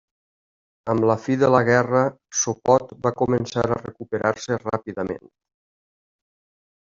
Amb la fi de la guerra, Sopot va començar a recuperar-se ràpidament.